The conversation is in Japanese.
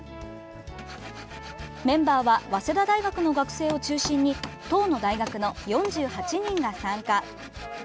メンバーは早稲田大学の学生を中心に１０の大学の４８人が参加。